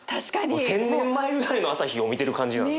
１，０００年前ぐらいの朝日を見てる感じなのね。